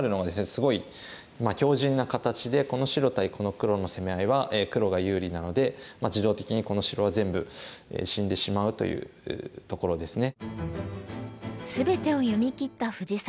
すごい強じんな形でこの白対この黒の攻め合いは黒が有利なので自動的にこの白は全部死んでしまうというところですね。